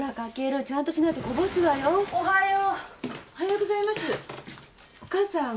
お母さん。